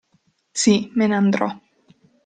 Sì, me ne andrò.